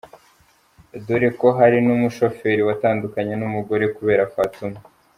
Dore ko hari n’umushoferi watandukanye n’umugore kubera Fatuma!